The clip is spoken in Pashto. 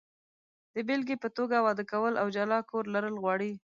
د بېلګې په توګه، واده کول او جلا کور لرل غواړي.